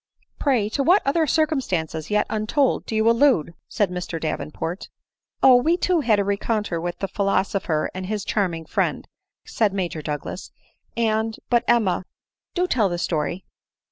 " Pray, to what other circumstance, yet untold, do you allude ?" said Mr Davenport " Oh, we too had a rencontre with the philosopher and hi$ charming friend," said Major Douglas, " and — but* Emma, do you tell the story.